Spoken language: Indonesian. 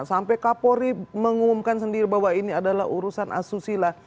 sampai kapolri mengumumkan sendiri bahwa ini adalah urusan asusila